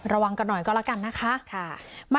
ระวังกันหน่อยก็แล้วกันนะคะ